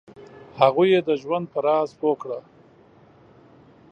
هغوی یې د ژوند په راز پوه کړه.